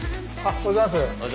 おはようございます。